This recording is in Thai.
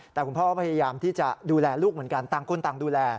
แต่คุณพ่อก็พยายามที่จะดูแลลูกเหมือนกันต่างคนต่างดูแล